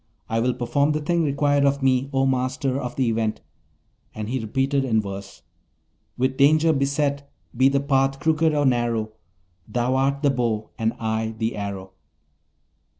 I will perform the thing required of me, O Master of the Event.' And he repeated in verse: With danger beset, be the path crooked or narrow, Thou art the bow, and I the arrow.